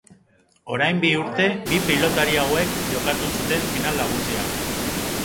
Orain bi urte bi pilotari hauek jokatu zuten final nagusia.